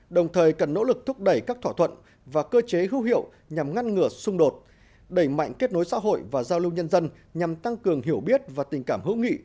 đồng thời cần nỗ lực thúc đẩy các thỏa thuận và cơ chế hữu hiệu nhằm ngăn ngừa xung đột đẩy mạnh kết nối xã hội và giao lưu nhân dân nhằm tăng cường hiểu biết và tình cảm hữu nghị